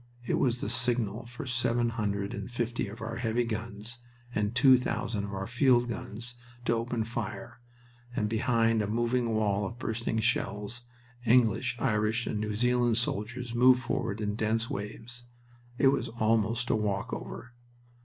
It was the signal for seven hundred and fifty of our heavy guns and two thousand of our field guns to open fire, and behind a moving wall of bursting shells English, Irish, and New Zealand soldiers moved forward in dense waves. It was almost a "walk over."